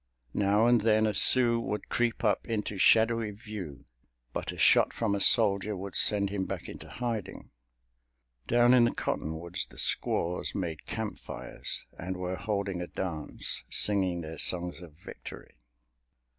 Now and then a Sioux would creep up into shadowy view, but a shot from a soldier would send him back into hiding. Down in the cottonwoods the squaws made campfires and were holding a dance, singing their songs of victory.